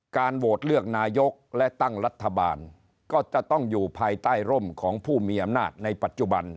โหวตเลือกนายกและตั้งรัฐบาลก็จะต้องอยู่ภายใต้ร่มของผู้มีอำนาจในปัจจุบัน